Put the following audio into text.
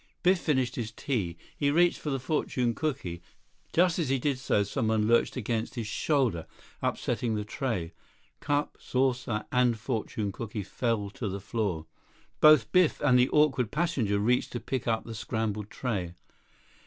Biff finished his tea. He reached for the fortune cooky. Just as he did so, someone lurched against his shoulder, upsetting the tray. Cup, saucer, and fortune cooky fell to the floor. Both Biff and the awkward passenger reached to pick up the scrambled tray.